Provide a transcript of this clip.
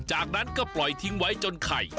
จากนั้นก็ปล่อยทิ้งไว้จนไข่